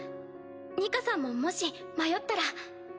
ニカさんももし迷ったら。